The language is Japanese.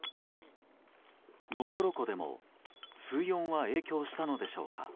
能取湖でも水温は影響したのでしょうか。